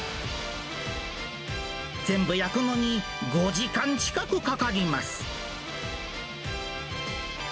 全部焼くのに５時間近くかかります。